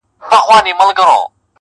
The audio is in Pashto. له ذاته زرغونېږي لطافت د باران یو دی,